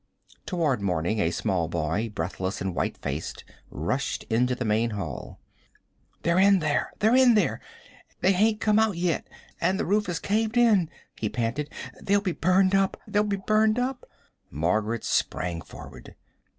Toward morning a small boy, breathless and white faced, rushed into the main hall. "They're in there they're in there they hain't come out yet an' the roof has caved in!" he panted. "They'll be burned up they'll be burned up!" Margaret sprang forward.